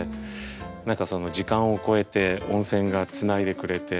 何かその時間をこえて温泉がつないでくれて。